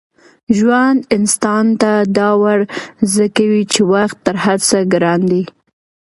ژوند انسان ته دا ور زده کوي چي وخت تر هر څه ګران دی.